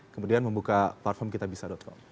kemudian membuka platform kitabisa com